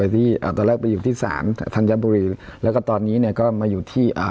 ตอนแรกไปอยู่ที่ศาลธันยังบุรีแล้วก็ตอนนี้ก็มาอยู่ที่